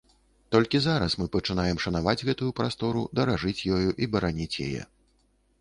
Толькі зараз мы пачынаем шанаваць гэтую прастору, даражыць ёю і бараніць яе.